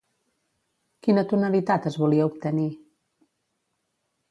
Quina tonalitat es volia obtenir?